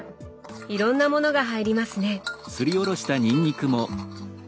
いろんなものが入りますね。